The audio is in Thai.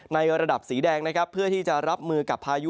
ในระดับสีแดงนะครับเพื่อที่จะรับมือกับพายุ